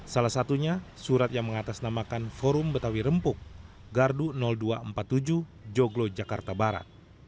salah satunya surat yang mengatasnamakan forum betawi rempuk gardu dua ratus empat puluh tujuh joglo jakarta barat